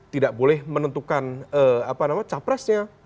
tidak boleh menentukan capresnya